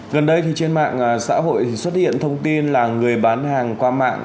gần đây trên mạng xã hội xuất hiện thông tin là người bán hàng qua mạng